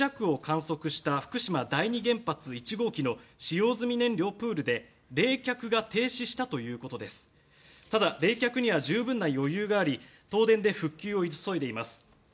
一方、震度６弱を観測した福島第二原発１号機の使用済み燃料プールで冷却が停止したということですがただ冷却には十分な余裕があり東電で復旧を急いでいます。